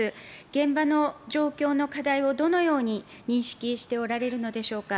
現場の状況の課題をどのように認識しておられるのでしょうか。